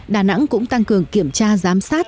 đà nẵng cũng tăng cường kiểm tra giám sát